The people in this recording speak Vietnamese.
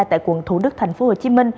tại quận thủ đức tp hcm